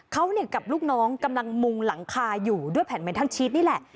เขากับลูกน้องกำลังมุงหลังคาอยู่ด้วยแผ่นเมนทันชีสนี่แหละ